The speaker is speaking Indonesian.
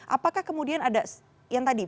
apakah kemudian ada yang tadi